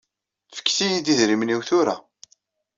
Fket-iyi-d idrimen-iw tura.